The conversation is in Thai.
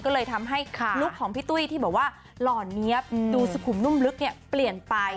ก็เลยทำให้ลุคของพี่ตุ้ยที่บอกว่าหล่อเนี๊ยบดูสุขุมนุ่มลึกเนี่ยเปลี่ยนไป